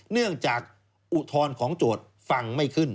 เนื่องจากอุทธรณ์ของโจทย์ฟังไม่ขึ้น